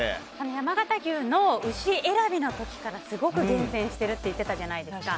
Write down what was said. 山形牛の牛選びの時からすごく厳選してるって言っていたじゃないですか。